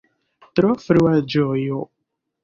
Tro frua ĝojo!